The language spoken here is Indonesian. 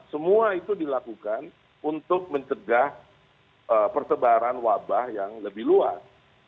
semua itu dilakukan untuk mencegah persebaran wabah yang lebih luas